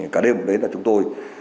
cả đêm đến là chúng tôi